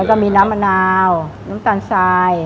ก็มีน้ำมะนาวน้ำตาลทราย